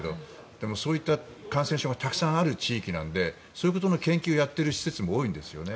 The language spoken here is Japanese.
でも、そういった感染症がたくさんある地域なのでそういうことの研究をやっている施設も多いんですよね。